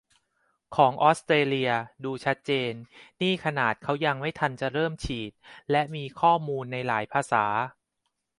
ของออสเตรเลีย ดูชัดเจน นี่ขนาดเค้ายังไม่ทันจะเริ่มฉีด และมีข้อมูลในหลายภาษา